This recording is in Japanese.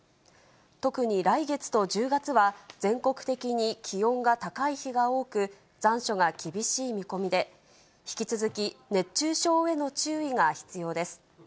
特に来月と１０月は、全国的に気温が高い日が多く、残暑が厳しい見込みで、引き続き熱中症への注意が必要です。